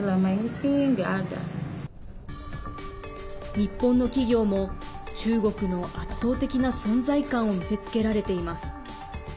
日本の企業も中国の圧倒的な存在感を見せつけられています。